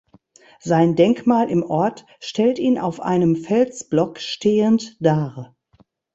Sein Denkmal im Ort stellt ihn auf einem Felsblock stehend dar.